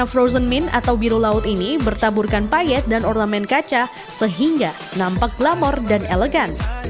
frozen min atau biru laut ini bertaburkan payet dan ornamen kaca sehingga nampak glamor dan elegan